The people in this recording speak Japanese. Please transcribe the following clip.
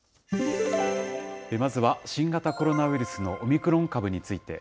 まずは新型コロナウイルスのオミクロン株について。